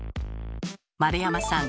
丸山さん。